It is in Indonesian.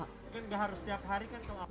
bukan harus setiap hari kan